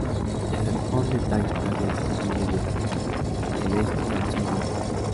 El halcón de Taita se distribuye desde el este al sur de África.